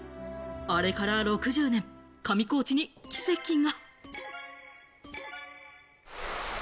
あれから６０年、上高地に奇跡が。